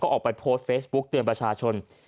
ออกไปโพสต์เฟซบุ๊กเตือนประชาชน